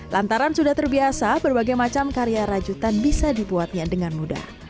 lantaran sudah terbiasa berbagai macam karya rajutan bisa dibuatnya dengan mudah